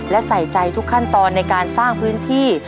และใส่ใจทุกขั้นตอนในการสร้างพื้นที่